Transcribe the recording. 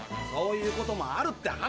そういうこともあるって。